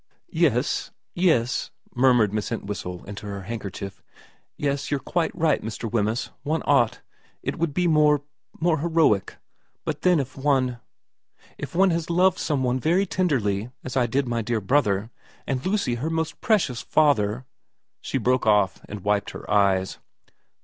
' Yes,' murmured Miss Entwhistle into her handker chief, ' yes you're quite right, Mr. Wemyss one ought it would be more more heroic. But then if one iv VERA 47 if one has loved some one very tenderly as I did my dear brother and Lucy her most precious father She broke off and wiped her eyes.